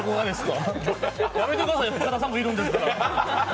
やめてください、深田さんもいるんですから。